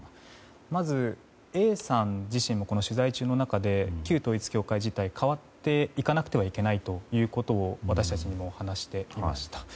まずＡさん自身も取材中に旧統一教会自体変わっていかなくてはいけないということを私たちにも話していました。